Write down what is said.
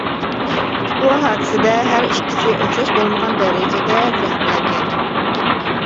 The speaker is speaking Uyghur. بۇ ھادىسىدە ھەر ئىككىسى ئوخشاش بولمىغان دەرىجىدە زەخىملەنگەن.